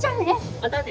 またね！